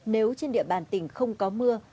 nếu trên địa bàn tỉnh không có mưa